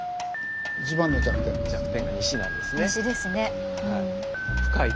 弱点が西なんですね。